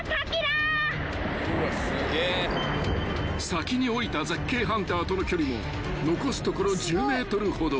［先におりた絶景ハンターとの距離も残すところ１０ｍほど］